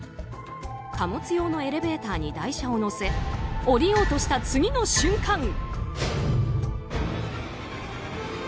貨物用のエレベーターに台車を載せ降りようとした次の瞬間。